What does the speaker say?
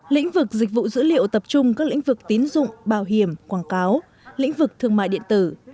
lĩnh vực dịch vụ dữ liệu tập trung các lĩnh vực tín dụng bảo hiểm quảng cáo lĩnh vực thương mại điện tử